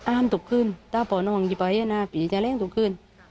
อ้ามตุ๊กขึ้นถ้าพ่อน้องไปผีจะเร่งตุ๊กขึ้น